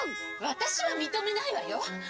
「私は認めないわよ！